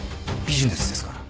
ビジネスですから。